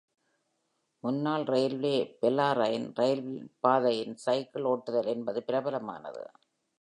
முன்னாள் railway - Bellarine rail பாதையில் cycle ஓட்டுதல் என்பது பிரபலமானது.